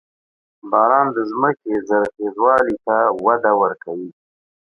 • باران د ځمکې زرخېوالي ته وده ورکوي.